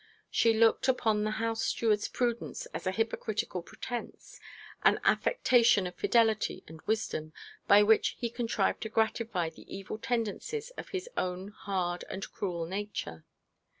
She looked upon the house steward's prudence as a hypocritical pretence, an affectation of fidelity and wisdom, by which he contrived to gratify the evil tendencies of his own hard and cruel nature.